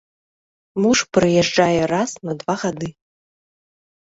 Муж прыязджае раз на два гады.